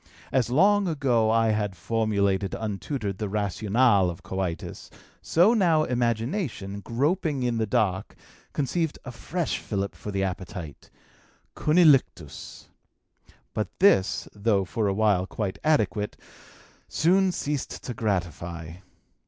As long ago I had formulated untutored the rationale of coitus, so now imagination, groping in the dark, conceived a fresh fillip for the appetite cunnilinctus. But this, though for a while quite adequate, soon ceased to gratify.